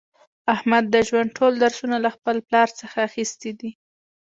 احمد د ژوند ټول درسونه له خپل پلار څخه اخیستي دي.